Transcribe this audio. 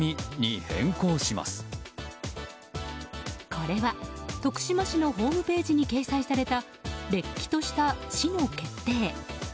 これは徳島市のホームページに掲載されたれっきとした市の決定。